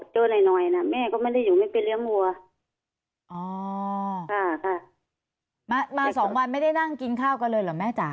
หน่อยหน่อยน่ะแม่ก็ไม่ได้อยู่ไม่ไปเลี้ยงวัวอ๋อค่ะมามาสองวันไม่ได้นั่งกินข้าวกันเลยเหรอแม่จ๋า